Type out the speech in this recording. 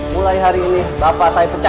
mulai hari ini bapak saya pecah